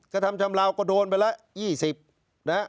กระทำชำราวก็โดนไปละ๒๐นะฮะ